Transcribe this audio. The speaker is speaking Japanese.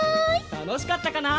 たのしかったかな？